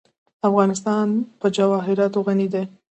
افغانستان په جواهرات غني دی.